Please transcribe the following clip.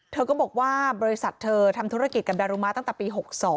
เธอก็บอกว่าบริษัทเธอทำธุรกิจกับดารุมะตั้งแต่ปี๖๒